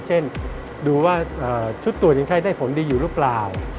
เช่นดูว่าชุดตรวจยังไข้ได้ผลดีอยู่หรือเปล่า